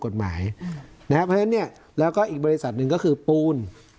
กฎหมายนะครับเพราะฉะนั้นเนี่ยแล้วก็อีกบริษัทหนึ่งก็คือปูน